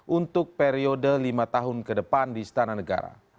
untuk periode lima tahun ke depan di istana negara